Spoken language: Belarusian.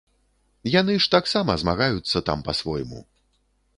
Яны ж таксама змагаюцца там, па-свойму.